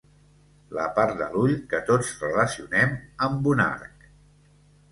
La part de l'ull que tots relacionem amb un arc.